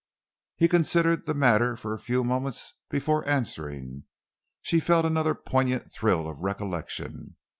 He considered the matter for a few moments before answering. She felt another poignant thrill of recollection.